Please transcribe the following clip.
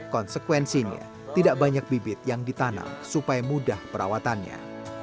konsekuensinya tidak banyak bibit yang ditanam supaya mudah perawatannya